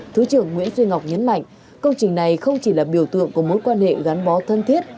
thứ trưởng nguyễn duy ngọc nhấn mạnh công trình này không chỉ là biểu tượng của mối quan hệ gắn bó thân thiết